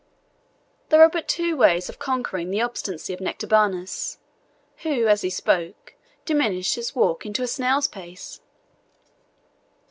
There were but two ways of conquering the obstinacy of Nectabanus, who, as he spoke, diminished his walk into a snail's pace.